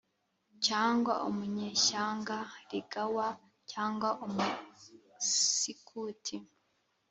cyangwa umunyeshyanga rigawa cyangwa Umusikuti